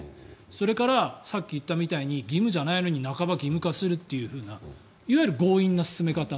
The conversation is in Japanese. それからさっき言ったみたいに義務じゃないのに半ば義務化するっていうふうないわゆる強引な進め方。